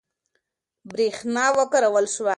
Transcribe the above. برېښنا وکارول شوه.